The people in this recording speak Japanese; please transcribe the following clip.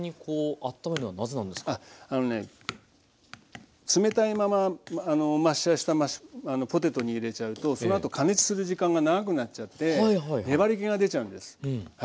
あのね冷たいままマッシャーしたポテトに入れちゃうとそのあと加熱する時間が長くなっちゃって粘りけが出ちゃうんですはい。